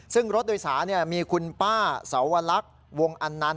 ซึ่งรถโดยสารมีคุณป้าสวรรควงอันนันต